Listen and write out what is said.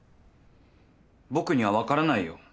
僕には分からないよ。